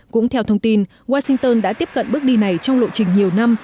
cũng theo thông tin washington đã tiếp cận bước đi này trong lộ trình nhiều năm